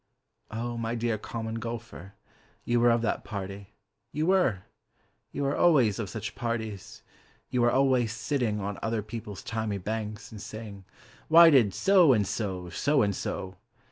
O, my dear Common Golfer, You were of that party; You were; You are always of such parties, You are always sitting On other people's thymy banks, And saying, "Why did So and so so and so?"